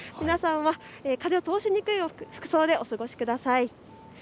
皆さんは風を通しにくい服装でお過ごしください。